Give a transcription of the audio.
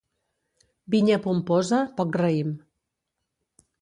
Vinya pomposa, poc raïm.